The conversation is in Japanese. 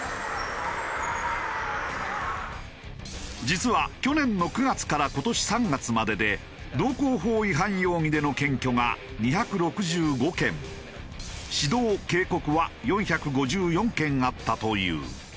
実は去年の９月から今年３月までで道交法違反容疑での検挙が２６５件指導・警告は４５４件あったという。